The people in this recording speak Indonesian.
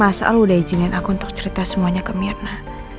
masa lu udah izinin aku untuk cerita semuanya ke mirna